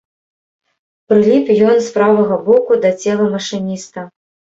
Прыліп ён з правага боку да цела машыніста.